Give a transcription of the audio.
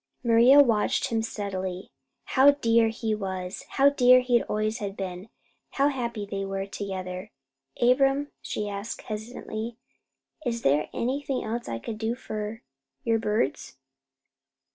Maria watched him steadily. How dear he was! How dear he always had been! How happy they were together! "Abram," she asked, hesitatingly, "is there anything else I could do for your birds?"